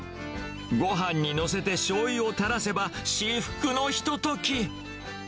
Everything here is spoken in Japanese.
ごはんに載せてしょうゆをたらせば、至福のひととき。